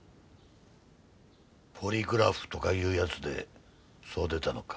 ポリグラフとかいうやつでそう出たのか？